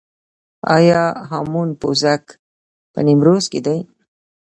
آیا هامون پوزک په نیمروز کې دی؟